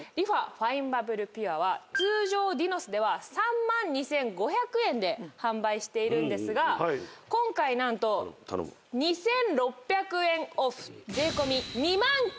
ファインバブルピュアは通常ディノスでは３２，５００円で販売しているんですが今回何と２，６００円オフ。